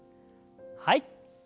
はい。